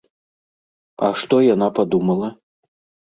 А што яна падумала?